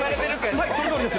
はいそのとおりです！